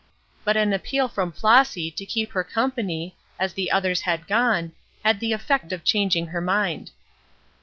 But an appeal from Flossy to keep her company, as the others had gone, had the effect of changing her mind.